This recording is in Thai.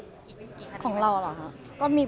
อเรนนี่มีหลังไม้ไม่มี